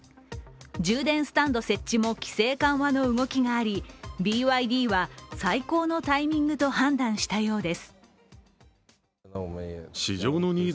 充電スタンド設置も規制緩和の動きがありＢＹＤは最高のタイミングと判断したようです。